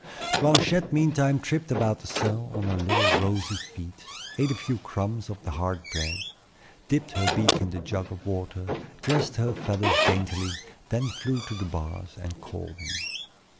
Blanchette meantime tripped about the cell on her little rosy feet, ate a few crumbs of the hard bread, dipped her beak in the jug of water, dressed her feathers daintily, then flew to the bars and called him.